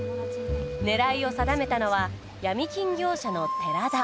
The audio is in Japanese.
狙いを定めたのは闇金業者の寺田。